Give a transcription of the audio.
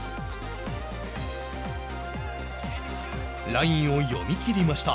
ラインを読み切りました。